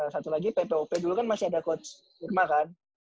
satu lagi ppop dulu kan masih ada coach irma kan